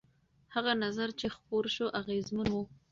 هغه نظر چې خپور شو اغېزمن و.